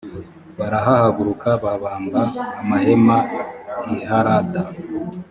barahahaguruka babamba amahema i harada